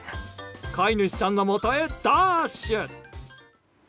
飼い主さんのもとへダッシュ。